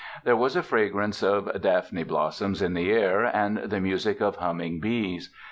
There was a fragrance of daphne blossoms in the air, and the music of humming bees.